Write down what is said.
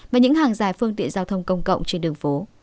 và những hàng dài phương tiện giao thông công cộng trên đường phố